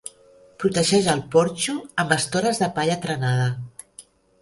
Protegeix el porxo amb estores de palla trenada.